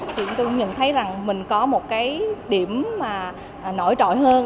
tôi nhận thấy mình có một điểm nổi trội hơn